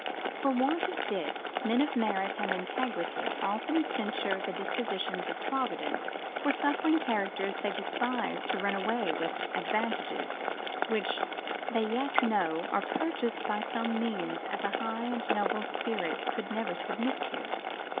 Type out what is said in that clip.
For want of this, men of merit and integrity often censure the dispositions of Providence for suffering characters they despise to run away with advantages which, they yet know, are purchased by such means as a high and noble spirit could never submit to.